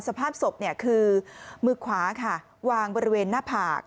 สภาพศพคือมือขวาค่ะวางบริเวณหน้าผาก